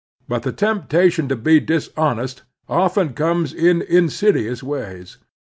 But the temptation to be dishonest often comes in insidious ways.